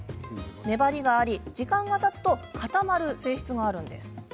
粘りがあり、時間がたつと固まる性質があるんです。